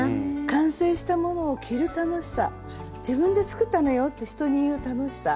完成したものを着る楽しさ「自分で作ったのよ」って人に言う楽しさ。